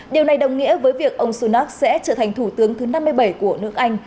điều này đồng nghĩa với việc ông sunak sẽ trở thành thủ tướng thứ năm mươi bảy của nước anh